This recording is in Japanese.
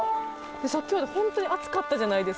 さっきまで本当に暑かったじゃないですか。